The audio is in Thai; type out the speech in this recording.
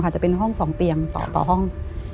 จะเป็นห้อง๒เตียงต่อห้อง